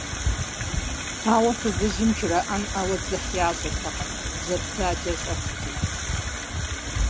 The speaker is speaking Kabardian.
Ауэ фызыжьым жраӀэнӀауэ дзыхь ящӀыртэкъым, жьэ бзаджэ щӀэтти.